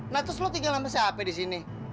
nah terus lo tinggal sama si apa disini